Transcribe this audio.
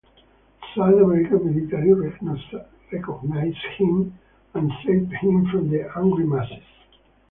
Some American military recognised him and saved him from the angry masses.